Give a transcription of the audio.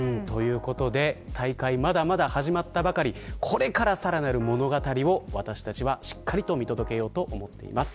大会はまだまだ始まったばかりこれからさらなる物語を私たちは、しっかり見届けようと思います。